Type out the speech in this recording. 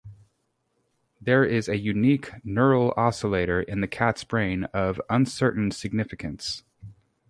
There is a unique "neural oscillator" in the cat's brain of uncertain significance.